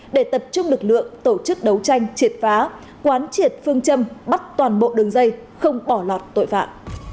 để tập trung lực lượng tổ chức đấu tranh triệt phá quán triệt phương châm bắt toàn bộ đường dây không bỏ lọt tội phạm